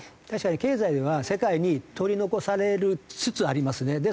確かに経済では世界に取り残されつつありますね。